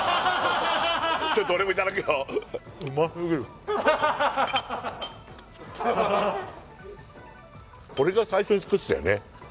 ちょっと俺もいただくようますぎるこれを最初に作ってたよね